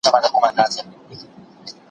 په ځمکه کې پر مخلوق رحم وکړئ.